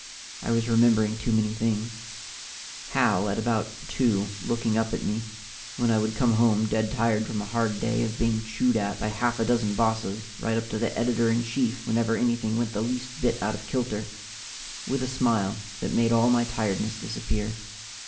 I was remembering too many things: Hal at about two, looking up at me when I would come home dead tired from a hard day of being chewed at by half a dozen bosses right up to the editor in chief whenever anything went the least bit out of kilter with a smile that made all my tiredness disappear.